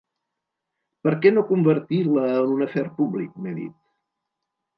«Per què no convertir-la en un afer públic?», m’he dit.